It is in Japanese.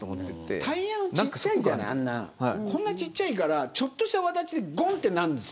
タイヤちっちゃいからちょっとした、わだちでごんってなるんですよ。